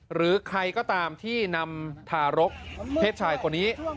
หรือใครก็ตามที่นำทารกเพศชายคนนี้